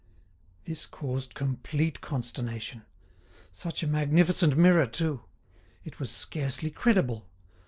This caused complete consternation. Such a magnificent mirror, too! It was scarcely credible!